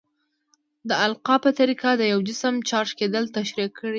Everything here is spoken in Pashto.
د القاء په طریقه د یو جسم چارج کیدل تشریح کړئ.